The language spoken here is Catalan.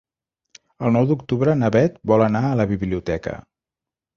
El nou d'octubre na Beth vol anar a la biblioteca.